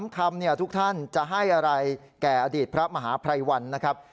คำทุกท่านจะให้อะไรแก่อดีตพระมหาภัยวันนะครับ